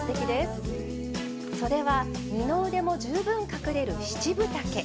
そでは二の腕も十分隠れる七分丈。